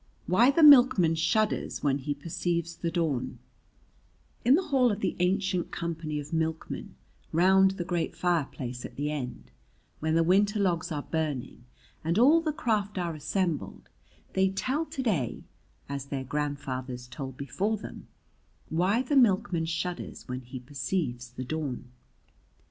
Why the Milkman Shudders When He Perceives the Dawn In the Hall of the Ancient Company of Milkmen round the great fireplace at the end, when the winter logs are burning and all the craft are assembled they tell to day, as their grandfathers told before them, why the milkman shudders when he perceives the dawn.